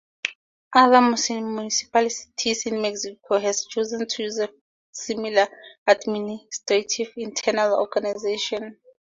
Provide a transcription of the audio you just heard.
Other municipalities in Mexico have chosen to use a similar administrative internal organization.